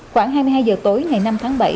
khoảng hai mươi hai giờ tối ngày năm tháng bảy